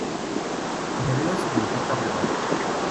En hebreo significa "abrevadero".